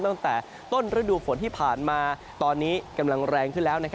ตั้งแต่ต้นฤดูฝนที่ผ่านมาตอนนี้กำลังแรงขึ้นแล้ว